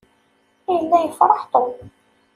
Yella yefṛeḥ Tom.